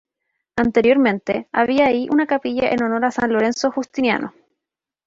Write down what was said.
Anteriormente, había ahí una capilla en honor de San Lorenzo Justiniano.